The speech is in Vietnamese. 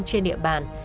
trên địa bàn